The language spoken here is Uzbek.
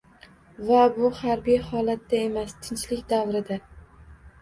Va bu harbiy holatda emas — tinchlik davrida...